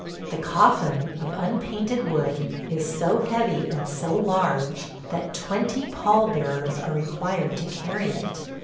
The coffin, of unpainted wood, is so heavy and so large that twenty pall bearers are required to carry it.